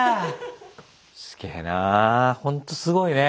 すげぇなあほんとすごいね。